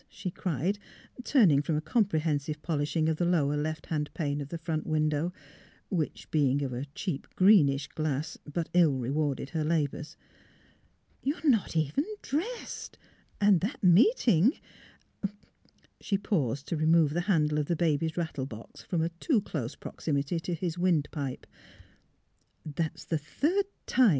" she cried, turning from a com prehensive polishing of the lower left hand pane of the front window — which being of a cheap, greenish glass but ill rewarded her labours. '' You are not even dressed; and that meet ing " She paused to remove the handle of the baby's rattle box from a too close proximity to his wind pipe. " That's the third time!